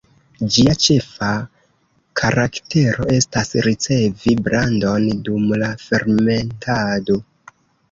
Ĝia ĉefa karaktero estas ricevi brandon dum la fermentado.